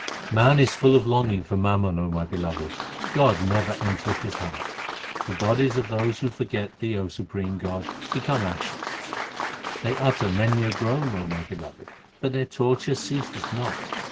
Man is full of longing for mammon, O my Beloved ; God never entereth his heart. 360 THE SIKH RELIGION The bodies of those who forget Thee, O supreme God, become ashes. They utter many a groan, O my Beloved, but their torture ceaseth not.